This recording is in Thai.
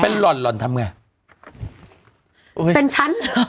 เป็นฉัน